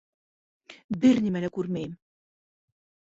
— Бер нәмәлә күрмәйем!